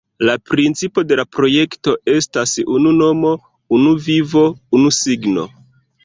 La principo de la projekto estas “Unu nomo, unu vivo, unu signo”.